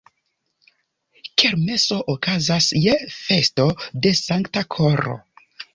Kermeso okazas je festo de Sankta Koro.